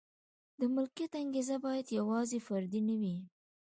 د ملکیت انګېزه باید یوازې فردي نه وي.